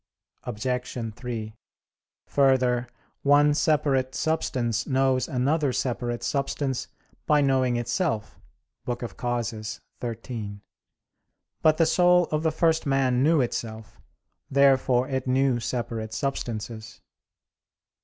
Obj. 3: Further, one separate substance knows another separate substance, by knowing itself (De Causis xiii). But the soul of the first man knew itself. Therefore it knew separate substances.